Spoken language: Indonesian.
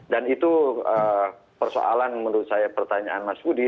dan itu persoalan menurut saya pertanyaan mas budi